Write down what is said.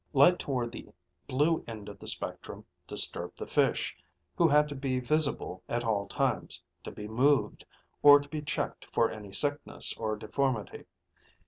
Light toward the blue end of the spectrum disturbed the fish, who had to be visible at all times, to be moved, or to be checked for any sickness or deformity.